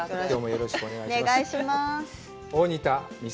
よろしくお願いします。